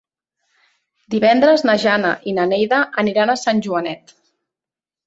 Divendres na Jana i na Neida aniran a Sant Joanet.